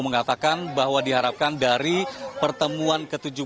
mengatakan bahwa diharapkan dari pertemuan ke tujuh belas